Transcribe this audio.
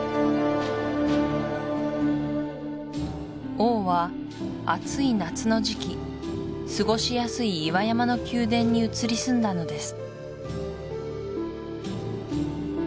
王は暑い夏の時期すごしやすい岩山の宮殿に移り住んだのです